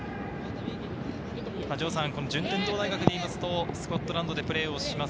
城さん、順天堂大学でいうとスコットランドでプレーします